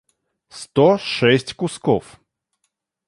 сто шесть кусков